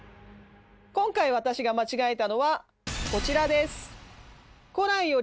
今回私が間違えたのはこちらです。